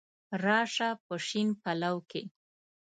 را شه په شین پلو کي